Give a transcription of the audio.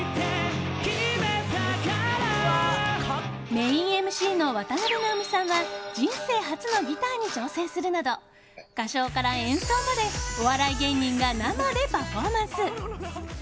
メインＭＣの渡辺直美さんは人生初のギターに挑戦するなど歌唱から演奏までお笑い芸人が生でパフォーマンス。